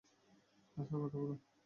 আস্তে কথা বলো।